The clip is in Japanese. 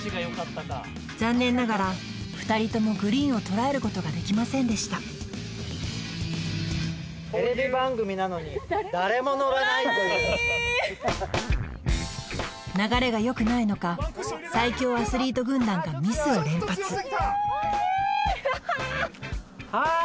残念ながら２人ともグリーンをとらえることができませんでした流れがよくないのか最強アスリート軍団がミスを連発・惜しい！